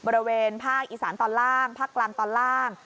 บริเวณภาคอีสานตอนล่างภาคกลางตอนล่าง